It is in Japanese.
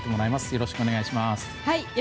よろしくお願いします。